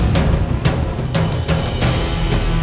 sampai jumpa lagi